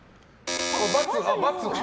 ×？